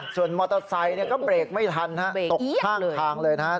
ส่วนมอเตอร์ไซค์ก็เบรกไม่ทันฮะตกข้างทางเลยนะครับ